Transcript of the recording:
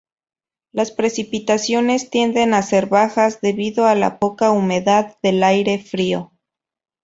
Las precipitaciones tienden a ser bajas debido a la poca humedad del aire frío.